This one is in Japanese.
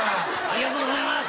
ありがとうございます。